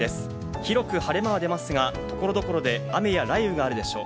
広く晴れ間は出ますが、所々で雨や雷雨があるでしょう。